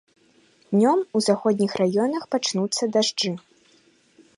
Днём у заходніх раёнах пачнуцца дажджы.